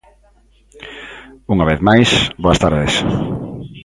Unha vez máis, boas tardes.